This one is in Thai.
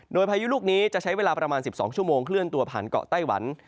โดยพายุลูกนี้จะใช้เวลาประมาณ๑๒ชั่วโมงเคลื่อนตัวผ่านเกาะไต้หวัน